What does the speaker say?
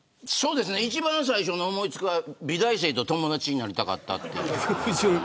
一番最初の思い付きは美大生と友達になりたかった。